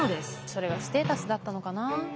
それがステータスだったのかな。